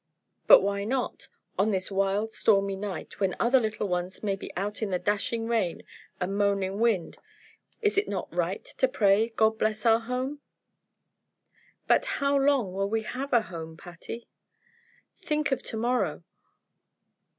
"But why not? On this wild, stormy night, when other little ones may be out in the dashing rain and moaning wind, is it not right to pray, 'God bless our home?'" "But how long will we have a home, Patty? Think of to morrow!